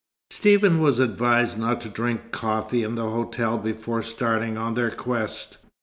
Stephen was advised not to drink coffee in the hotel before starting on their quest.